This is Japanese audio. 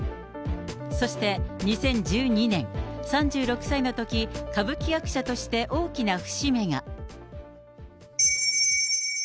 そして２０１２年、３６歳のとき、歌舞伎役者として大きな節目が。